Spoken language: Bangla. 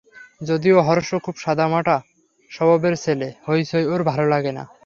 যদিও হর্ষ খুব সাদামাটা স্বভাবের ছেলে, হইচই ওর ভালো লাগে না।